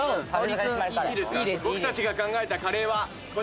僕たちが考えたカレーはこちらです。